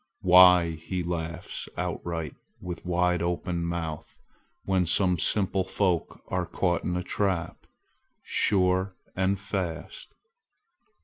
Why! he laughs outright with wide open mouth when some simple folk are caught in a trap, sure and fast.